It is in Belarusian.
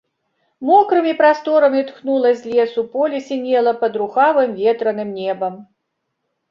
Мокрымі прасторамі тхнула з лесу, поле сінела пад рухавым ветраным небам.